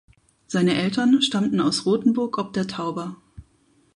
Seine Eltern stammten aus Rothenburg ob der Tauber.